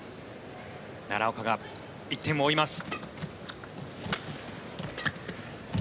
奈良岡が１点を追います。